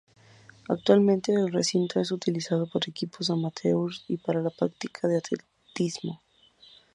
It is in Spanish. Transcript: Actualmente el recinto es utilizado por equipos amateurs y para la práctica de atletismo.